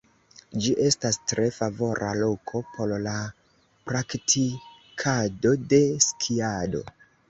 Ĝi estas tre favora loko por la praktikado de skiado.